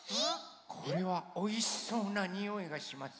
これはおいしそうなにおいがします。